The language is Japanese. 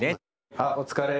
あお疲れ。